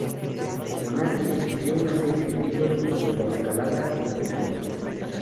Bonatti escribió una serie de libros sobre la escalada y el montañismo.